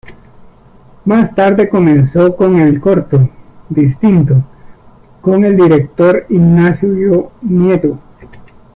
Más tarde comenzó con el corto, Distinto, con el director Ignacio Nieto.